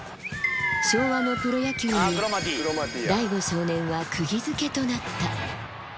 昭和のプロ野球に、大悟少年はくぎづけとなった。